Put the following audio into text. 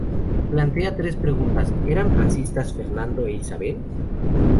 Plantea tres preguntas ¿eran racistas Fernando e Isabel?